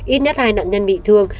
ít nhất hai nạn nhân bị thương